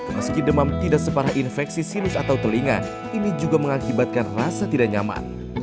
meski demam tidak separah infeksi sinus atau telinga ini juga mengakibatkan rasa tidak nyaman